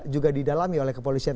juga didalami oleh kepolisian